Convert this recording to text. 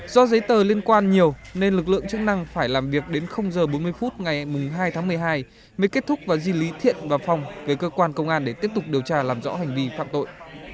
do giấy tờ liên quan nhiều nên lực lượng chức năng phải làm việc đến h bốn mươi phút ngày hai tháng một mươi hai mới kết thúc và di lý thiện và phong về cơ quan công an để tiếp tục điều tra làm rõ hành vi phạm tội